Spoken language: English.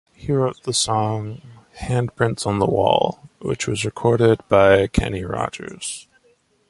He wrote the song, "Handprints on the Wall", which was recorded by Kenny Rogers.